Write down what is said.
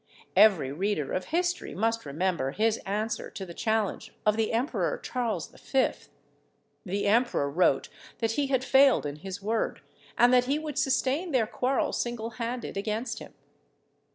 Every reader of history must remember his answer to the challenge of the Emperor Charles V. The Emperor wrote that he had failed in his word, and that he would sustain their quarrel single handed against him.